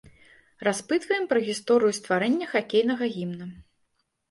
Распытваем пра гісторыю стварэння хакейнага гімна.